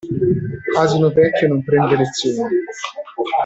Asino vecchio non prende lezioni.